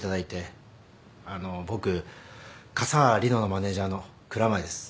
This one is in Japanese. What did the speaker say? あの僕笠原梨乃のマネジャーの蔵前です。